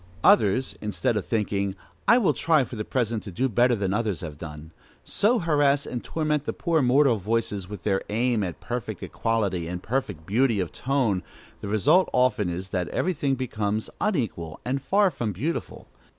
Others, instead of thinking, "I will try for the present to do better than others have done," so harass and torment the poor mortal voices with their aim at perfect equality and perfect beauty of tone, the result often is that every thing becomes unequal and far from beautiful.